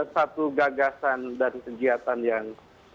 satu gagasan dan kegiatan yang